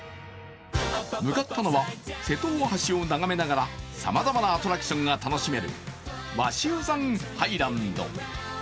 向かったのは瀬戸大橋を眺めながらさまざまなアトラクションが楽しめる鷲羽山ハイランド。